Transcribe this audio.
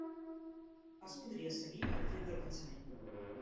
Es podria seguir el fil del pensament.